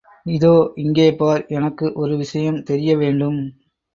இதோ, இங்கே பார், எனக்கு ஒரு விஷயம் தெரியவேண்டும்.